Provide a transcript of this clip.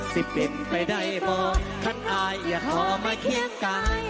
ที่เป็นไปได้บ่ท่านอายอย่าขอมาเคียงกัน